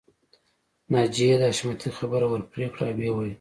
ناجیې د حشمتي خبره ورپرې کړه او ويې ويل